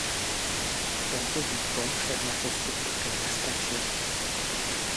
Tento výkon však na postup také nestačil.